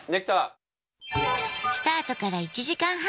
スタートから１時間半。